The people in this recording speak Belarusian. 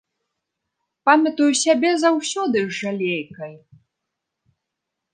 Памятаю сябе заўсёды з жалейкай.